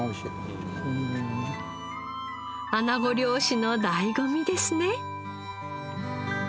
アナゴ漁師の醍醐味ですね。